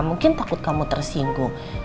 mungkin takut kamu tersinggung